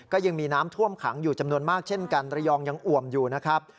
ก็ยังมีน้ำท่วมขังอยู่จำนวนมากเช่นกันระยองยังอ่วมอยู่นะครับ